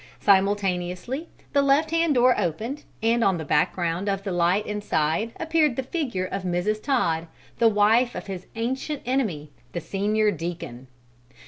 Simultaneously the left hand door opened, and on the background of the light inside appeared the figure of Mrs. Todd, the wife of his ancient enemy, the senior deacon.